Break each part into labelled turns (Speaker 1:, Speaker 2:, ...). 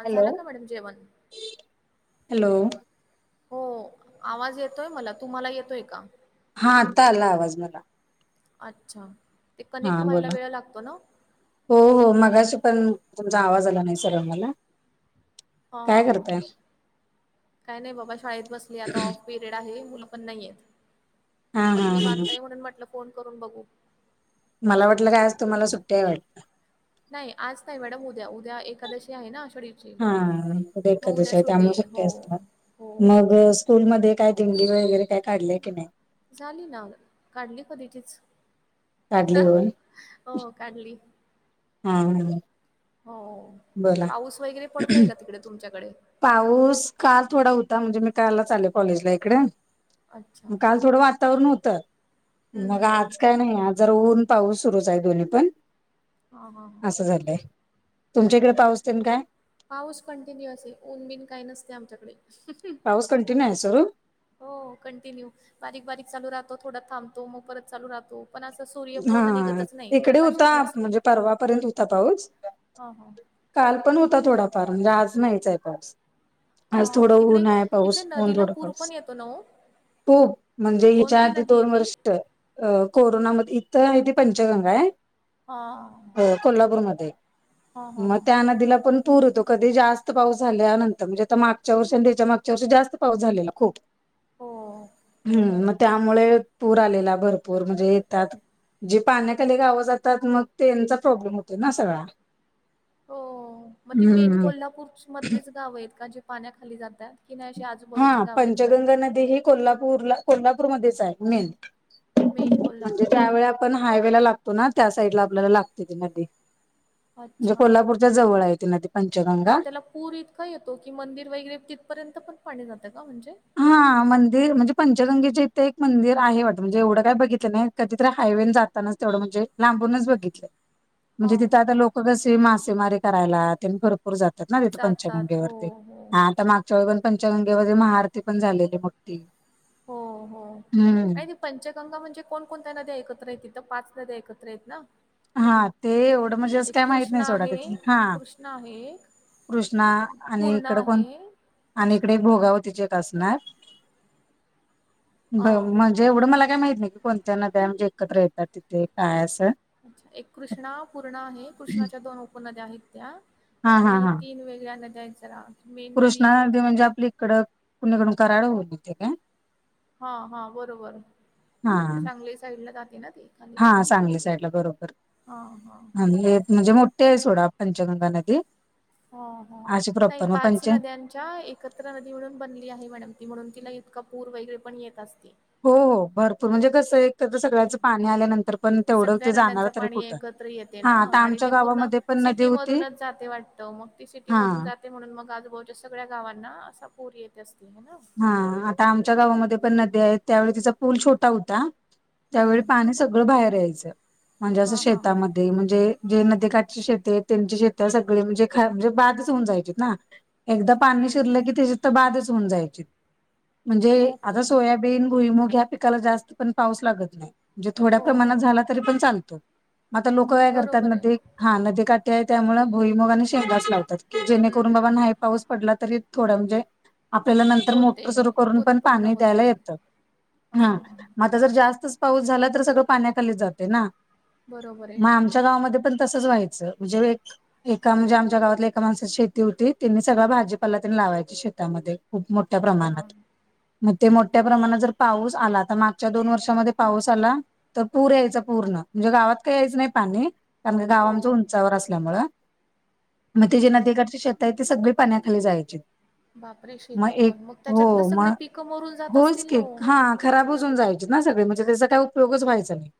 Speaker 1: हा
Speaker 2: हॅलो
Speaker 1: झालं का मॅडम जेवण?
Speaker 2: हॅलो.
Speaker 1: हो आवाज येतोय मला तुम्हाला येतोय का?
Speaker 2: हा आता आला आवाज मला.
Speaker 1: अच्छा, ते
Speaker 2: हा
Speaker 1: कनेक्ट व्हायला
Speaker 2: बोला
Speaker 1: वेळ लागतो ना.
Speaker 2: हो हो मगाशी पण तुमचा आवाज आला नाही सरळ मला.
Speaker 1: हां
Speaker 2: काय
Speaker 1: हां हां
Speaker 2: करताय
Speaker 1: काही नाही बघा, शाळेत बसली आता. पिरेड आहे मुल पण नाही आहेत,
Speaker 2: हा हा
Speaker 1: मग
Speaker 2: हा
Speaker 1: निवांत म्हणून म्हटलं फोन करून बघू.
Speaker 2: मला वाटलं काय आज तुम्हाला सुट्टी आहे वाटल.
Speaker 1: नाही आज नाही मॅडम उद्या उद्या एकादशी आहे आषाढी.
Speaker 2: हा एकादशी आहे, त्यामुळे सुट्टी असणार
Speaker 1: हो
Speaker 2: मग- स्कूल मध्ये काय ते ऍक्टिव्हिटी वगैरे काय काढले की नाही?
Speaker 1: झाली ना मधे काढली कधीचीचं.
Speaker 2: काढली
Speaker 1: हां
Speaker 2: होय
Speaker 1: हो काढली.
Speaker 2: हा हा
Speaker 1: हो हो
Speaker 2: बोला
Speaker 1: पाऊस वगैरे पडतोय का तिकडे तुमच्याकडे?
Speaker 2: पाऊस काल थोडा होता म्हणजे मी कालच आले कॉलेजला इकड.
Speaker 1: अच्छा
Speaker 2: मग काल
Speaker 1: हम्म
Speaker 2: थोडं वातावरण होतं. मग
Speaker 1: हम्म हम्म.
Speaker 2: आज काय नाही आज जरा ऊन पाऊस सुरूच आहे दोन्ही पण.
Speaker 1: हा हा हा.
Speaker 2: असं झालंय तुमच्या इकडे पाऊस टेन काय?
Speaker 1: पाऊस कंटिन्युअस आहे, ऊन बिन काही नसते आमच्याकडे.
Speaker 2: पाऊस कंटिन्यू आहे सुरू.
Speaker 1: हो कंटिन्यू बारीक बारीक चालू राहतो, थोडा थांबतो मग परत चालू राहतो. पण असं सूर्य
Speaker 2: हा
Speaker 1: पूर्ण निघतचं नाही
Speaker 2: इकडे होता
Speaker 1: प्रकाशचं नसते.
Speaker 2: म्हणजे परवापर्यंत होता पाऊस
Speaker 1: हां हां
Speaker 2: काल पण होता थोडाफार म्हणजे आज नाहीचं आहे पाऊस.
Speaker 1: हा
Speaker 2: आज थोडं
Speaker 1: तिकडे
Speaker 2: ऊन आहे,
Speaker 1: तिकडे
Speaker 2: पाऊस ऊन
Speaker 1: नदीला
Speaker 2: थोडा
Speaker 1: पूर पण
Speaker 2: पाऊस.
Speaker 1: येतो ना ओ?
Speaker 2: हो म्हणजे ह्याच्या
Speaker 1: कोणती
Speaker 2: आधी
Speaker 1: नदी आहे
Speaker 2: दोन
Speaker 1: ती?
Speaker 2: वर्ष होत. अ कोरोनामधे इथं आहे ते पंचगंगा आहे.
Speaker 1: हा
Speaker 2: हो कोल्हापूरमध्ये
Speaker 1: हा हा
Speaker 2: आहे, मग
Speaker 1: हा.
Speaker 2: त्या नदीला पण- पूर येतो कधी जास्त पाऊस झाल्यानंतर म्हणजे आता मागच्या वर्षी आणि त्याच्या मागच्या वर्षी जास्त पाऊस झालेला खूप
Speaker 1: हो.
Speaker 2: हम्म, मग त्यामुळे पूर आलेला भरपूर म्हणजे त्यात जी पाण्याखाली गावं जातात मग तेंचा प्रॉब्लेम होतो ना सगळा
Speaker 1: हो.. मग ती मेन
Speaker 2: हम्म
Speaker 1: कोल्हापूर मधलीच गाव आहेत का, जी पाण्याखाली जातात की नाही अशी अजून
Speaker 2: हं पंचगंगा नदी हे कोल्हापूरला कोल्हापूर मध्येच आहे मेन
Speaker 1: मेन
Speaker 2: म्हणजे
Speaker 1: कोल्हापूरला.
Speaker 2: त्या वेळात आपण हायवे लागतो ना त्या साईडला आपल्याला लागते ती नदी म्हणजे
Speaker 1: अच्छा.
Speaker 2: कोल्हापूरच्या जवळ आहे ती नदी
Speaker 1: मग
Speaker 2: पंचगंगा
Speaker 1: त्याला पूर इतका येतो की, मंदिर वगैरे तिथपर्यंत पण पाणी जातं का म्हणजे
Speaker 2: हा.. मंदिर म्हणजे पंचगंगेच्या इथे एक मंदिर आहे वाटतं म्हणजे एवढं काय बघितलं नाही कधीतरी हायवेन जातानाच तेवढं म्हणजे लांबूनच बघितलं
Speaker 1: हा
Speaker 2: म्हणजे तिथं
Speaker 1: हा.
Speaker 2: आता लोकं कसे मासेमारी करायला तेन भर पूर जातात ना तिथ
Speaker 1: जातात हो
Speaker 2: पंचगंगेवरती
Speaker 1: हो
Speaker 2: हा आता मा [unintelligible] पंचगंगेमध्ये महाआरती पण झालेली मोठी
Speaker 1: हो हो
Speaker 2: हम्म
Speaker 1: [unintelligible] पंचगंगा म्हणजे कोणकोणत्या नद्या एकत्र आहेत तिथं पाच नद्या एकत्र आहेत ना
Speaker 2: हा ते एवढं म्हणजे असं
Speaker 1: एक
Speaker 2: काय माहित
Speaker 1: कृष्णा
Speaker 2: नाही सोडा
Speaker 1: आहे
Speaker 2: त्यातला हा
Speaker 1: कृष्णा आहे
Speaker 2: कृष्णा
Speaker 1: एक
Speaker 2: आणि
Speaker 1: पूर्णा
Speaker 2: इकड कोण-
Speaker 1: आहे.
Speaker 2: आणि इकडे भोगावतीचे एक असणार
Speaker 1: हा.
Speaker 2: बरं मग जे एवढं मला काय माहित नाही की कोणत्या नद्या म्हणजे एकत्र येतात तिथे काय असं
Speaker 1: अच्छा एक कृष्णा, पूर्णा आहे कृष्णाच्या दोन उपनद्या आहेत त्या
Speaker 2: हा हा
Speaker 1: आणि
Speaker 2: हा
Speaker 1: तीन वेगळ्या नद्या आहेत जरा
Speaker 2: कृष्णा नदी म्हणजे आपली इकडं कुणीकडून कराड वरून येते काय
Speaker 1: हा हा बरोबर
Speaker 2: हा
Speaker 1: सांगली साईडन जाते ना ती खाली
Speaker 2: हा चांगली साईडला बरोबर
Speaker 1: हा हा हा.
Speaker 2: म्हणजे आणि हे हितन म्हणजे मोठी ते ही सोडा पंचगंगा नदी
Speaker 1: हो हो
Speaker 2: अशी
Speaker 1: नाही
Speaker 2: प्रॉपर मग
Speaker 1: पाच
Speaker 2: पंच
Speaker 1: नद्यानं च्या एकत्र नदी मिळून बनलेली आहे मॅडम ती म्हणून तिला इतका पूर वगैरे पण येत असते.
Speaker 2: हो हो भरपूर म्हणजे कसं आहे. तर ते
Speaker 1: हो.
Speaker 2: सगळ्याचं पाणी आल्यानंतर पण तेवढं
Speaker 1: सगळ्या
Speaker 2: ते जाणार
Speaker 1: नद्यांचं
Speaker 2: तरी
Speaker 1: पाणी
Speaker 2: कुठं हा आता आमच्या गावामध्ये पण नदी
Speaker 1: सिटी
Speaker 2: होती
Speaker 1: मधूनच जाते वाटत मग ती सिटीमधून
Speaker 2: हा
Speaker 1: जात ते म्हणून मग आजबाजूच्या सगळ्या गावांना असा पूर येत असते हाय ना
Speaker 2: हा आता आमच्या गावामध्ये पण नद्या आहेत त्या वेळी तिचा पूल छोटा होता त्यावेळी
Speaker 1: हम्म.
Speaker 2: पाणी सगळं बाहेर यायचं म्हणजे असं
Speaker 1: हां हां हां.
Speaker 2: शेतामध्ये म्हणजे जे नदीकाठची शेते त्यांची शेत सगळी म्हणजे ख म्हणजे बाधच होऊन जायची ना एकदा पाणी
Speaker 1: हम्म.
Speaker 2: शिरलं की, ती शेत बाधच होऊन जायची म्हणजे
Speaker 1: ओके.
Speaker 2: आता सोयाबी बीन, भुईमूग ह्या पिकाला जास्त पण पाऊस लागत नाही म्हणजे थोड्या
Speaker 1: हो.
Speaker 2: प्रमाणात झाला तरी पण चालतो. आता लोकं काय करतात
Speaker 1: बरोबर आहे.
Speaker 2: नदी हा नदी काठी आहे त्यामुळे भुईमूग आणि शेंगाच लावतात. जेणेकरून
Speaker 1: हम्म
Speaker 2: बाबा
Speaker 1: हम्म.
Speaker 2: नाही पाऊस पडला तरी थोड म्हणजे आपल्याला लाग तर
Speaker 1: होते.
Speaker 2: मोटर सुरू करून पण
Speaker 1: उत्पन्न
Speaker 2: पाणी द्यायला
Speaker 1: होते.
Speaker 2: येत ह
Speaker 1: हां.
Speaker 2: आता जर जास्तच पाऊस झाला तर सगळं पाण्याखाली जाते ना
Speaker 1: बरोबर आहे
Speaker 2: तलावामध्ये पण तसंच व्हायचं म्हणजे वेग एका म्हणजे आमच्या गावातल्या एका माणसाची शेती होती त्यांनी सगळं भाजीपाला तेन लावायची शेतामध्ये खूप मोठ ठ्या
Speaker 1: हां हां.
Speaker 2: प्रमाणात. मग ते मोठ्या प्रमाणात जर पाऊस आला. तर मागच्या दोन वर्षामध्ये पाऊस आला तर पूर यायचा पूर्ण म्हणजे गावात काही यायचं नाही. पाणी त्यामुळे गावा
Speaker 1: हो.
Speaker 2: आमचं उंचावर असल्यामुळं मग ती जी
Speaker 1: हम्म.
Speaker 2: नदीकाडची शेत आहे. ते सगळी पाण्याखाली जायचे.
Speaker 1: बापरे शेत पण मग त्याच्यातलं सगळे पिकं मोरून जात. असतील नाहो?
Speaker 2: खाराबच होऊन जायचे. ना सगळे म्हणजे त्यांच्या काय उपयोग ह्याच्या नाही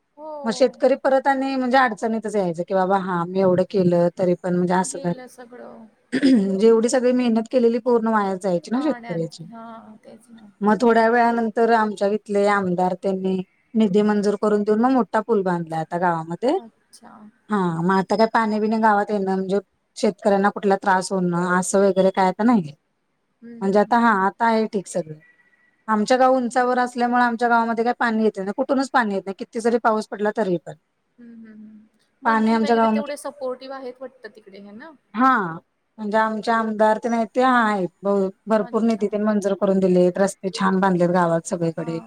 Speaker 2: मग
Speaker 1: हो
Speaker 2: शेतकरी परत आणि म्हणजे अडचणीतच यायचं. की बाबा हा मी एवढं केलं. तरी पण म्हणजे असं!
Speaker 1: गेलं सगळं
Speaker 2: झालं जेवढी सगळी मेहनत केलेली पूर्ण वायाच जायची ना
Speaker 1: त्याच
Speaker 2: शेतकऱ्याची.
Speaker 1: हां तेच ना!
Speaker 2: मग थोड्या वेळानंतर आमच्या इथले आमदार त्यांनी निधी मंजूर करून देवून. मग मोठा पूल बांधला आता गावामध्ये
Speaker 1: अच्छा!
Speaker 2: हा मग आता काय पाणी बिणी गावात येनार म्हणजे शेतकऱ्यांना कुठला त्रास होणं. असं वगैरे काय तर नाही.
Speaker 1: हम्
Speaker 2: म्हणजे
Speaker 1: हम्
Speaker 2: आता हा
Speaker 1: हम्
Speaker 2: आता हे ठीक सगळं आमच्या गाव उंचावर असल्यामुळे आमच्या गावामध्ये काही पाणी येत नाही. कुठूनच पाणी येत नाही. किती जरी पाऊस पडला. तरी पण
Speaker 1: ह् हम्
Speaker 2: पाणी
Speaker 1: मंत्री
Speaker 2: आमच्या
Speaker 1: वगैरे
Speaker 2: गावामध्ये
Speaker 1: तेवढे सपोर्टिव्ह आहेत. वाटतं! तिकडे हे ना
Speaker 2: हा म्हणजे आमचे आमदार ते नाही. ते आहेत भरपूर
Speaker 1: अच्छा
Speaker 2: निधी ते मंजूर करून दिले रस्ते छान बधलेत. गावात सगळी
Speaker 1: हा
Speaker 2: कडे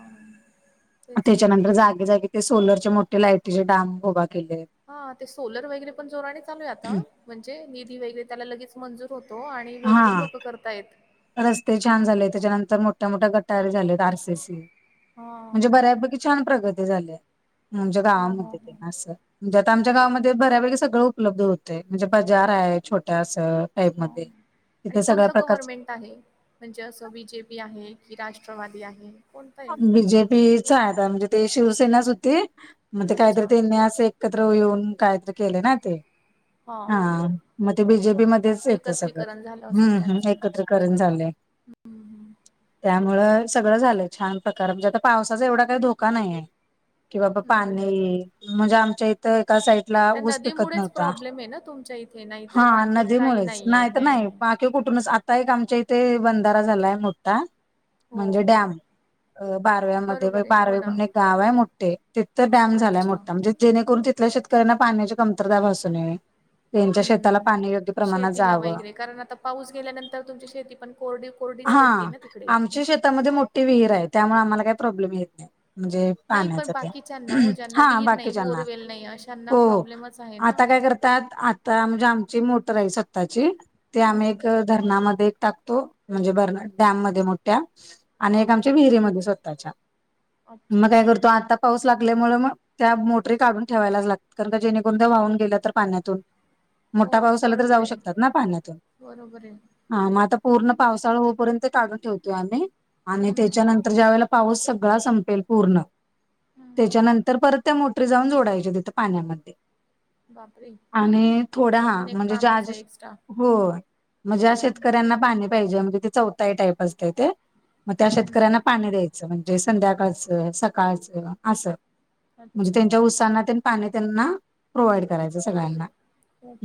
Speaker 1: तेच ना.
Speaker 2: त्याच्यानंतर जागेजागी ते सोलर मोठे लायटीचे डाॅम उभा केलेत.
Speaker 1: हा ते सोलर वगैरे पण जोराने चालू आहे. आता म्हणजे निधी वगैरे त्याला लगेच मंजूर होतो. आणि
Speaker 2: हा
Speaker 1: भरपूर लोक करतायत.
Speaker 2: रस्ते छान झाले. त्याच्यानंतर मोठ्या मोठ्या गटारी झालेत. आर सी सी
Speaker 1: हा
Speaker 2: म्हणजे बऱ्यापैकी छान प्रगती झाली. म्हणजे
Speaker 1: हो हो
Speaker 2: गावामध्ये
Speaker 1: हो.
Speaker 2: असं! म्हणजे आता आमच्या गावामध्ये बऱ्यापैकी सगळं उपलब्ध होतय. म्हणजे बजार आहे. छोट्या असं! टाईप
Speaker 1: हां
Speaker 2: मध्ये.
Speaker 1: आणि
Speaker 2: तिथे सगळ्या
Speaker 1: कोणत
Speaker 2: प्रकारच
Speaker 1: गव्हर्नमेंट आहे. म्हणजे असं बी जे पी आहे. की राष्ट्रवादी आहे. कोणतं आहे?
Speaker 2: बी जे पीच आहे म्हणजे ते शिवसेनाच होती. म्हणजे
Speaker 1: अच्छा
Speaker 2: काहीतरी त्यांनी अस! एकत्र येऊन काहीतरी केले. ना ते हा मग ते बी जे पी मध्येच येतं. सगळं
Speaker 1: एकत्रीकरण झालं असेल
Speaker 2: हम्म हम्
Speaker 1: त्यांचं
Speaker 2: एकत्र करून झालंय. त्यामुळे सगळं झालंय. छान प्रकार म्हणजे आता पावसाचा एवढा काही धोका नाही आहे. कि बाबा
Speaker 1: हम्म.
Speaker 2: पाणी म्हणजे आमच्या इथं एका साईड ला
Speaker 1: त्या
Speaker 2: ऊस पिकत
Speaker 1: नदीमुळेच
Speaker 2: नव्हता.
Speaker 1: प्रॉब्लेम आहे ना तुमच्या इथे नाही तर
Speaker 2: हा
Speaker 1: बाकी
Speaker 2: नदी
Speaker 1: काही
Speaker 2: मुळेच
Speaker 1: नाही आहे
Speaker 2: नाहीत नाही.
Speaker 1: हे.
Speaker 2: ते कुठूनच आता एक आमच्या इथे बंधारा झालाय. मोठा म्हणजे
Speaker 1: हो
Speaker 2: डॅम बारव्यामध्ये
Speaker 1: बरोबर आहे हो
Speaker 2: बारावे
Speaker 1: ना
Speaker 2: म्हणून एक गाव आहे. मोठे तिंथ डॅम झालाय.
Speaker 1: अच्छा
Speaker 2: मोठा म्हणजे जेणे करून तिथल्या शेतकऱ्यांना पाण्याची कमतरता. भासून नये. त्यांच्या
Speaker 1: हम्म
Speaker 2: शेताला
Speaker 1: हम्म
Speaker 2: पाणी योग्य प्रमाणात
Speaker 1: शेतीला
Speaker 2: जावं
Speaker 1: वगैरे कारण आता पाऊस गेल्यानंतर तुमची शेती पण कोरडी कोरडी पडते. ना तिकडे
Speaker 2: ते विहीर आहे. त्यामुळे आम्हाला काही प्रॉब्लेम येत. नाही. म्हणजे
Speaker 1: नाही पण
Speaker 2: पाण्याच्या ते
Speaker 1: बाकीच्यांना हो ज्यांना विहीर नाही
Speaker 2: बाकीच्याना
Speaker 1: बोरवेल नाही अशांना
Speaker 2: हो
Speaker 1: प्रॉब्लेमच आहे ना.
Speaker 2: आता काय करत. त्यात आता म्हणजे आमची मोटर आहे. सत्ताची ते आम्ही
Speaker 1: हम्म.
Speaker 2: एक धरणामध्ये एक टाकतो. म्हणजे डॅम मोठ्या आणि
Speaker 1: हो.
Speaker 2: एक आम्हाच्या विहीरी स्वतःच्या
Speaker 1: अच्छा.
Speaker 2: मग काय करतो. आता पाऊस लागल्यामुळे मग, त्या मोटरीे काढून ठेवायलाच लागतात कारण का जेणेकरुणध वाहून गेलं तर पाण्यातून.
Speaker 1: हो
Speaker 2: मोठा पाऊस आला तरी
Speaker 1: बरोबर
Speaker 2: जाऊ
Speaker 1: आहे.
Speaker 2: शकतात ना पाण्यातून.
Speaker 1: बरोबर आहे.
Speaker 2: हा मं आता पूर्ण पावसाळा होपर्यंत काढून ठेवतोय आम्ही आणि
Speaker 1: हं.
Speaker 2: त्याच्यानंतर ज्या वेळेला पाऊस सगळा संपेल पूर्ण,
Speaker 1: हं.
Speaker 2: त्याच्यानंतर परत त्या मोटरी जाऊन जोडायच्या तिथं पाण्यामध्ये.
Speaker 1: बापरे!
Speaker 2: आणि थोडा
Speaker 1: हे
Speaker 2: हा
Speaker 1: पण एक
Speaker 2: म्हणजे ज्या
Speaker 1: कामच आहे एक्स्ट्रा.
Speaker 2: हो मं ज्या
Speaker 1: हं.
Speaker 2: शेतकऱ्यांना पाणी पाहिजे म्हणजे ते चौथाई टाईप असतंय ते, मग त्या
Speaker 1: हं,
Speaker 2: शेतक
Speaker 1: हं.
Speaker 2: पाणी द्यायचं, म्हणजे संध्याकाळचं सकाळचं असं. म्हणजे
Speaker 1: अच्छा.
Speaker 2: त्यांच्या उत्साना पाणी त्यांना प्रोव्हाइड करायचं सगळ्यांना.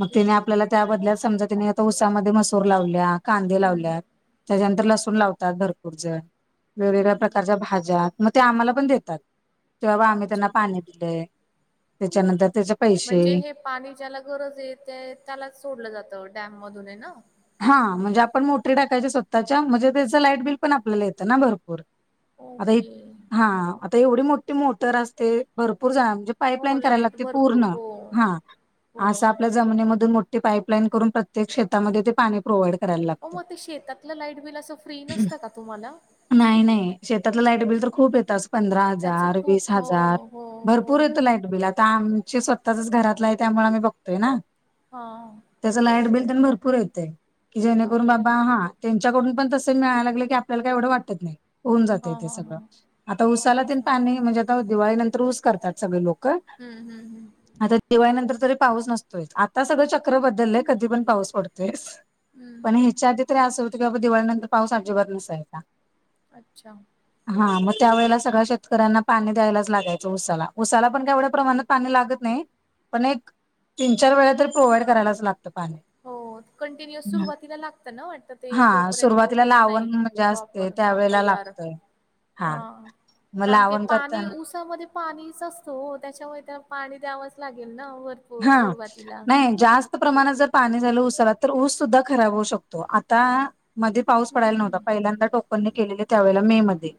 Speaker 2: मग तेने आपल्याला त्या बदल्यात, समजा तेने आता उसामध्ये मसूर लावल्या, कांदे
Speaker 1: हं.
Speaker 2: लावल्यात त्याच्यानंतर लसूण लावतात भरपूर जण,
Speaker 1: हं,
Speaker 2: वेगवेगळ्या
Speaker 1: हं.
Speaker 2: प्रकारच्या भाज्या मं ते आम्हाला पण देतात. तेव्हा आम्ही त्यांना
Speaker 1: अच्छा.
Speaker 2: पाणी दिलंय, त्याच्यानंतर त्याच्या
Speaker 1: म्हणजे हे पाणी ज्याला गरजये, ते त्यालाच सोडलं जातं डॅम मधून ये ना?
Speaker 2: हां म्हणजे आपण मोटरी टाकायच्या सोताच्या, म्हणजे त्याचं लाईट बिल पण आपल्याला येतं ना भरपूर. आता हि
Speaker 1: ओके.
Speaker 2: हां आता एवढी मोठी मोटर असते भरपूर जा म्हणजे
Speaker 1: हो
Speaker 2: पाईपलाईन कराले
Speaker 1: लाईट
Speaker 2: लागते
Speaker 1: भरपूर.
Speaker 2: पूर्ण.
Speaker 1: हो.
Speaker 2: हा
Speaker 1: हो.
Speaker 2: असा आपल्याले जमिनीमधून मोठी पाईपलाईन करून प्रत्येक शेतामध्ये ते पाणी प्रोव्हाइड करायला
Speaker 1: ओ
Speaker 2: लागतं.
Speaker 1: मं ते शेतातलं लाईट बिल असं फ्री नसतं का तुम्हाला?
Speaker 2: नाही नाही, शेतातलं लाईट बिल तर खूप येत अस पंधरा
Speaker 1: त्याचं
Speaker 2: हजार
Speaker 1: खूप
Speaker 2: वीस
Speaker 1: हो,
Speaker 2: हजार
Speaker 1: हो, हो.
Speaker 2: भरपूर येतं लाईटबील. बीला आता आमची स्वतःच्याच घरातलं आहे त्यामुळे आम्ही बघतोय ना?
Speaker 1: हा
Speaker 2: त्याचं लाईट बिल त्यांनी भरपूर येतय की जेणेकरून
Speaker 1: बापरे!
Speaker 2: बाबा हा. त्यांच्याकडून पण तसच मिळायला लागले की, आपल्याला काय एवढं वाटत नाही. होऊन जातंय
Speaker 1: हां,
Speaker 2: उसाला ते
Speaker 1: हां,
Speaker 2: सगळं.
Speaker 1: हां.
Speaker 2: आता ऊसाला तेन
Speaker 1: अच्छा.
Speaker 2: पाणी म्हणजे आता दिवाळीनंतर ऊस करतात सगळे लोक.
Speaker 1: हम्म हम्म हम
Speaker 2: आता दिवाळीनंतर तरी पाऊस नसतोय, आता सगळं चक्र बदललंय कधी पण पाऊस पडतोय असं. पण
Speaker 1: हं.
Speaker 2: ह्येच्या आधी तरी असं होतं की, बाबा दिवाळीनंतर पाऊस अमजिबात नसायचा.
Speaker 1: अच्छा
Speaker 2: हा मं त्या वेळेला सगळ्या शेतकऱ्यांना पाणी द्यायलाच लागायचं उसाला. उसाला पण काय एवढ्या प्रमाणात पाणी लागत नाही, पण एक तीन चार वेळा तरी प्रोव्हाइड करायलाच लागतं पाणी.
Speaker 1: हो कंटिन्युअस सुरुवातीला लागततं ना वाटतं, ते
Speaker 2: हा
Speaker 1: जोपर्यंत
Speaker 2: सुरुवातीला
Speaker 1: होत नाही
Speaker 2: लावण म्हणजे असते
Speaker 1: प्रॉपर हा
Speaker 2: त्यावेेळेला
Speaker 1: तयार.
Speaker 2: [inaudible]
Speaker 1: हा
Speaker 2: मग
Speaker 1: कारण ते
Speaker 2: लावण
Speaker 1: पाणी
Speaker 2: करताना
Speaker 1: ऊसामध्ये पाणीच असतो ओ, त्याच्यामुळे त्या पाणी द्यावंच लागेल ना वर.
Speaker 2: हा नाही जास्त प्रमाणात जर पाणी झालं उसाला, तर ऊस सुद्धा खराब होऊ शकतो. आता मध्ये पाऊस
Speaker 1: हं,
Speaker 2: पडायला नव्हता,
Speaker 1: हं.
Speaker 2: पहिल्यांदा टोकनने केलेले त्यावेळेला मे मध्ये.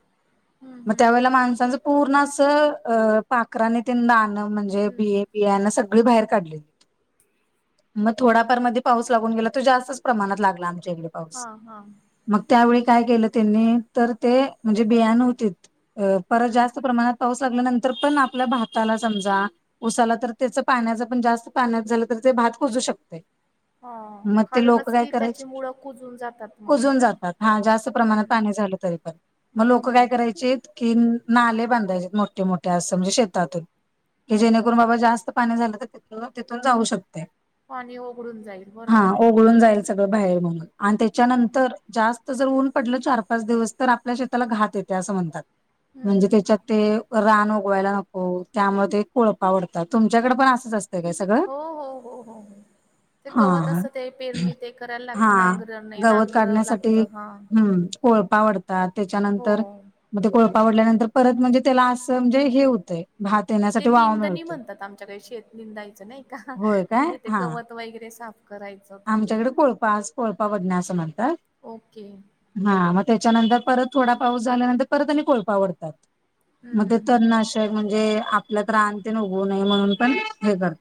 Speaker 1: हं,
Speaker 2: मं
Speaker 1: हं.
Speaker 2: त्यावेळेला माणसांचं पूर्ण असं अं पाखराने ते दाणं म्हणजे
Speaker 1: हं.
Speaker 2: बिय बियाणं सगळी बाहेर काढलीत. मं थोडाफार मध्ये पाऊस लागून गेला, तो जास्तच प्रमाणात लागला आमच्याईकडं.
Speaker 1: हां, हां.
Speaker 2: मग
Speaker 1: ओके.
Speaker 2: त्यावेळी काय केलं त्यांनी? तर ते म्हणजे बियाण होतीत, परत
Speaker 1: हं.
Speaker 2: जास्त प्रमाणात पाऊस आगल्यानंतर पण आपल्या भाताला समजा उसाला तर त्याच पाण्याचा पण जास्त पाण्यात झालं तर ते भात कुजू शकतय
Speaker 1: हां.
Speaker 2: म ते लोक
Speaker 1: खालूनच
Speaker 2: काय
Speaker 1: ती त्याची
Speaker 2: करायचे
Speaker 1: मुळं कुजून जातात मग, हे
Speaker 2: कुजून
Speaker 1: ना?
Speaker 2: जातात हा जास्त प्रमाणात
Speaker 1: हं.
Speaker 2: पाणी झालं तरी पण मग लोक
Speaker 1: बरोबर
Speaker 2: काय
Speaker 1: आहे.
Speaker 2: करायचेत कि नाले बांधायचे मोठे मोठे अस म्हणजे शेतातून की
Speaker 1: हं, हं.
Speaker 2: जेणेकरून बाबा जास्त पाणी झाल तर तिथन तिथून जाऊ शकतय
Speaker 1: पाणी ओघडून जाईल
Speaker 2: हा
Speaker 1: बरोबर आहे.
Speaker 2: उगळून जाईल सगळ बाहेर मग आणि
Speaker 1: हम्म.
Speaker 2: त्याच्यानंतर जास्त जर ऊन पडल चार पाच दिवस तर आपल्या शेताला घात येते असं म्हणतात
Speaker 1: हम्म,
Speaker 2: म्हणजे
Speaker 1: हम्म.
Speaker 2: त्याच्यात ते रान उगवायला नको त्यामुळे ते कोळपावडतात तुमच्याकडे पण असंच असत
Speaker 1: हो हो हो हो हो ते गवत
Speaker 2: हा
Speaker 1: असत ते पेरणी ते करायला
Speaker 2: हा
Speaker 1: लागत नांगर नाही
Speaker 2: गवत
Speaker 1: नांगर
Speaker 2: काढण्यासाठी
Speaker 1: लागत हा
Speaker 2: हम्म कोळपा वडतात त्याच्यानंतर म ते को पावडल्यानंतर परत म्हणजे त्याला असं म्हणजे हे होतंय भात येण्यासाठी वाव मिळतो
Speaker 1: काही शेत निंदायचं नाही का
Speaker 2: काय
Speaker 1: म्हणजे ते
Speaker 2: हा
Speaker 1: गवत वगैरे साफ करायचं त्यातलं.
Speaker 2: आमच्याकडे कोळपा आज कोळपा वडने असं म्हणतात
Speaker 1: ओके.
Speaker 2: हा मग त्याच्यानंतर परत थोडा पाऊस झाल्यानंतर परत आणि कोळपावडतात
Speaker 1: हम्म,
Speaker 2: म
Speaker 1: हम्म, हम्म.
Speaker 2: तरनाश म्हणजे आपल्यात राण तेन उगऊ नये म्हणून पण हे करत